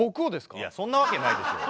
いやそんなわけないでしょ。